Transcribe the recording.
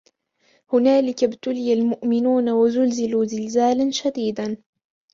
هنالك ابتلي المؤمنون وزلزلوا زلزالا شديدا